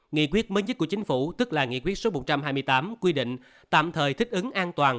nghị quyết mới nhất của chính phủ tức là nghị quyết số một trăm hai mươi tám quy định tạm thời thích ứng an toàn